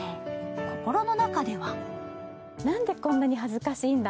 心の中ではなんでこんなに恥ずかしいんだ？